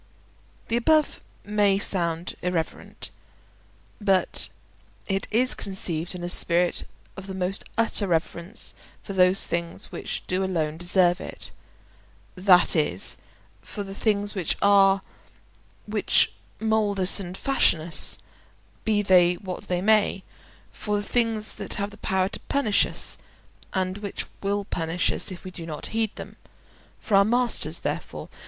The above may sound irreverent, but it is conceived in a spirit of the most utter reverence for those things which do alone deserve it—that is, for the things which are, which mould us and fashion us, be they what they may; for the things that have power to punish us, and which will punish us if we do not heed them; for our masters therefore.